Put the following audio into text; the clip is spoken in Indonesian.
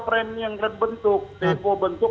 permainan yang keren bentuk tempo bentuk